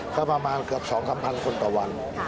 ก็ประมาณเกือบ๒๓๐๐คนต่อวัน